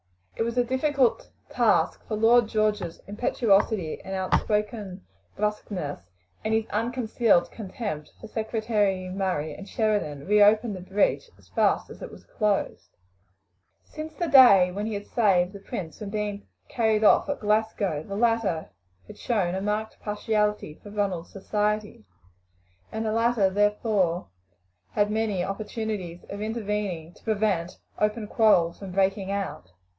It was a difficult task, for Lord George's impetuosity and outspoken brusqueness, and his unconcealed contempt for Secretary Murray and Sheridan, reopened the breach as fast as it was closed. Since the day when he had saved the prince from being carried off at Glasgow the latter had shown a marked partiality for Ronald's society, and the latter had therefore many opportunities of intervening to prevent open quarrels from breaking out.